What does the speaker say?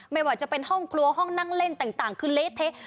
ไม่ว่าจะเป็นห้องครัวห้องนั่งเล่นต่างคือเละเทะ